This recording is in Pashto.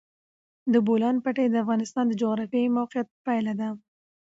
د بولان پټي د افغانستان د جغرافیایي موقیعت پایله ده.